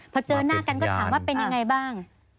พอเจอหน้ากันก็ถามว่าเป็นยังไงบ้าง